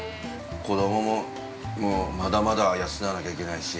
◆子供もまだまだ養わなきゃいけないし。